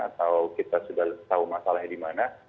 atau kita sudah tahu masalahnya dimana